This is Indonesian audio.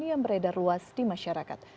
yang beredar luas di masyarakat